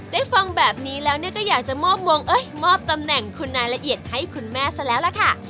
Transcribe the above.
ฟังแบบนี้แล้วก็อยากจะมอบวงมอบตำแหน่งคุณนายละเอียดให้คุณแม่ซะแล้วล่ะค่ะ